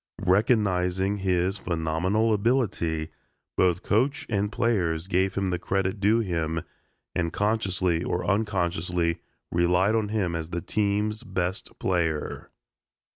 Recognizing his phenomenal ability, both coach and players gave him the credit due him and consciously or unconsciously relied on him as the team's best player.